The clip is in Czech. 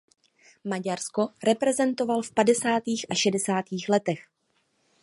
Maďarsko reprezentoval v padesátých a šedesátých letech.